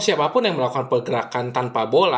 siapapun yang melakukan pergerakan tanpa bola